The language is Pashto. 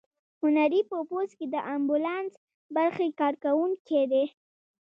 هنري په پوځ کې د امبولانس برخې کارکوونکی دی.